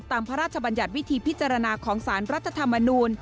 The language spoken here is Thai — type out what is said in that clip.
พระราชบัญญัติวิธีพิจารณาของสารรัฐธรรมนูล